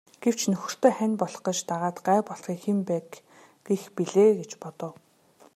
Гэвч нөхөртөө хань болох гэж дагаад гай болохыг хэн байг гэх билээ гэж бодов.